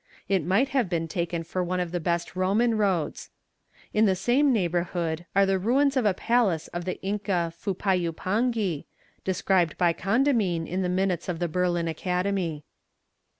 It might have been taken for one of the best Roman roads. In the same neighbourhood are the ruins of a palace of the Inca Fupayupangi, described by Condamine in the minutes of the Berlin Academy.